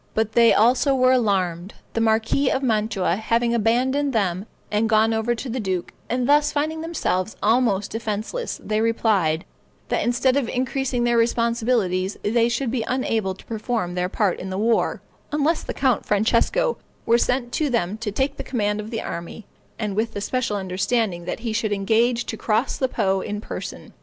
But they also were alarmed, the marquis of Mantua having abandoned them and gone over to the duke; and thus, finding themselves almost defenseless, they replied, "that instead of increasing their responsibilities, they should be unable to perform their part in the war, unless the Count Francesco were sent to them to take the command of the army, and with the special understanding that he should engage to cross the Po in person.